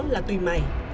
là tùy mày